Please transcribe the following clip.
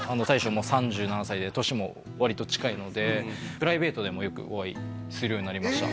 もう３７歳で年もわりと近いのでプライベートでもよくお会いするようになりました